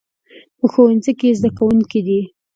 په ښوونځي کې زده کوونکي دي